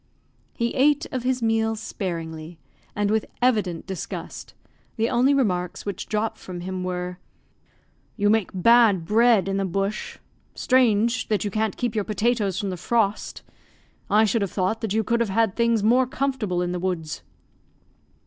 He ate of his meal sparingly, and with evident disgust, the only remarks which dropped from him were "You make bad bread in the bush. Strange, that you can't keep your potatoes from the frost! I should have thought that you could have had things more comfortable in the woods."